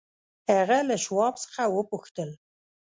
هغه له شواب څخه وپوښتل.